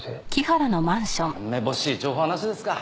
めぼしい情報はなしですか。